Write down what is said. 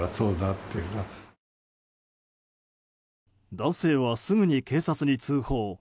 男性はすぐに警察に通報。